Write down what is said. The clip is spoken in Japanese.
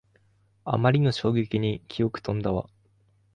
あまりの衝撃に記憶とんだわ